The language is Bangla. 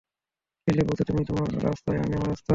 দিল্লী পৌঁছে, তুমি তোমার রাস্তায় আমি আমার রাস্তায়।